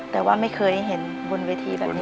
แต่ว่าไม่เคยได้เห็นบนเวทีแบบนี้